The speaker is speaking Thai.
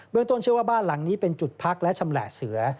ต้นเชื่อว่าบ้านหลังนี้เป็นจุดพักและชำแหละเสือ